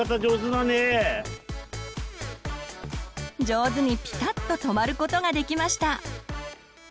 上手にピタッと止まることができました。